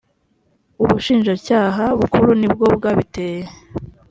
ubushinjacyaha bukuru nibwo bwabiteye.